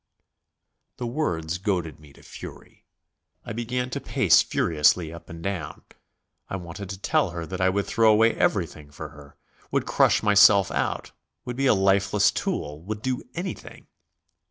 The words goaded me to fury. I began to pace furiously up and down. I wanted to tell her that I would throw away everything for her, would crush myself out, would be a lifeless tool, would do anything.